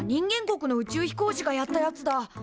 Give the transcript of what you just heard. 国の宇宙飛行士がやったやつだ。